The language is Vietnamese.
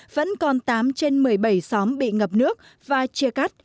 vẫn còn tám trên một mươi bảy xóm bị ngập nước và chia cắt